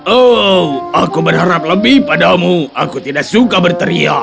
oh aku berharap lebih padamu aku tidak suka berteriak